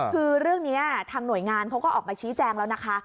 คือเรื่องนี้ทางหน่วยงานเขาก็ออกมาชี้แจงแล้วนะคะ